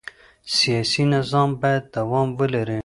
سیاسي نظام باید دوام ولري